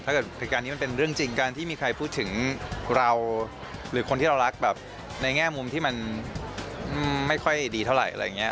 เกิดเหตุการณ์นี้มันเป็นเรื่องจริงการที่มีใครพูดถึงเราหรือคนที่เรารักแบบในแง่มุมที่มันไม่ค่อยดีเท่าไหร่อะไรอย่างนี้